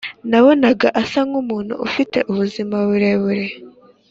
nabonaga asa nkumuntu ufite ubuzima burebure